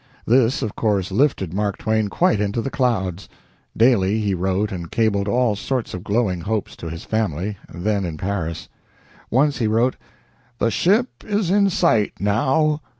This, of course, lifted Mark Twain quite into the clouds. Daily he wrote and cabled all sorts of glowing hopes to his family, then in Paris. Once he wrote: "The ship is in sight now